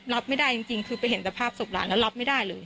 รับไม่ได้จริงคือไปเห็นแต่ภาพศพหลานแล้วรับไม่ได้เลย